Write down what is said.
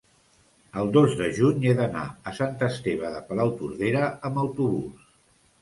el dos de juny he d'anar a Sant Esteve de Palautordera amb autobús.